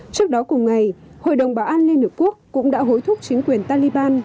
trước đó cùng ngày hội đồng bảo an liên hợp quốc cũng đã hối thúc chính quyền taliban